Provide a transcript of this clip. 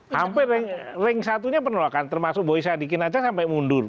hampir ring satunya penolakan termasuk boy sadikin aja sampai mundur